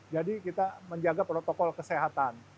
jadi kita menjaga protokol kesehatan